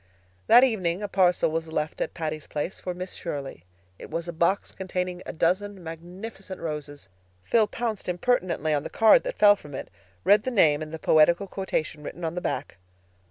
That evening a parcel was left at Patty's Place for Miss Shirley. It was a box containing a dozen magnificent roses. Phil pounced impertinently on the card that fell from it, read the name and the poetical quotation written on the back.